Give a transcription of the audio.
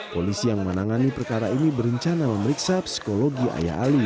polisi yang menangani perkara ini berencana memeriksa psikologi ayah ali